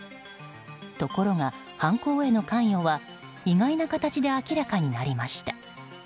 ところが、犯行への関与は意外な形で明らかになりました。